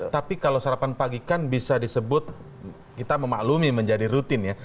tapi kalau sarapan pagi kan bisa disebut kita memaklumi menjadi rutin ya